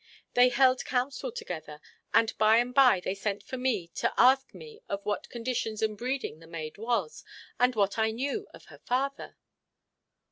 They held council together, and by and by they sent for me to ask me of what conditions and breeding the maid was, and what I knew of her father?"